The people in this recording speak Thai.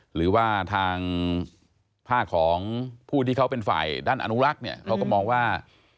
หรือว่าทางภาคของผู้ที่เขาเป็นฝ่ายด้านอนุรักษ์เนี่ยเขาก็มองว่า